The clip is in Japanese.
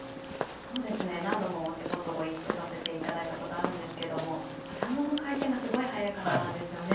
そうですね何度もお仕事ご一緒させていただいたことあるんですけども頭の回転がすごい速い方なんですよね。